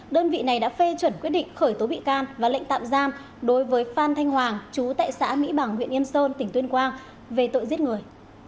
đơn vị này đã phê chuẩn quyết định khởi tố bị can và lệnh tạm giam đối với phan thanh hoàng chú tại xã mỹ bằng huyện yên sơn tỉnh tuyên quang về tội giết người